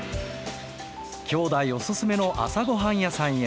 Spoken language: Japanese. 兄弟おすすめの朝ごはん屋さんへ。